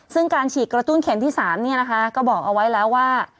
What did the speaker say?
ซึ่งการฉีดกระตุ้นเข็มที่๓ก็บอกเอาไว้แล้วว่า